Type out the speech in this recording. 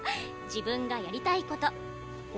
自分がやりたいこと。